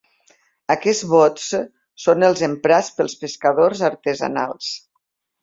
Aquests bots són els emprats pels pescadors artesanals.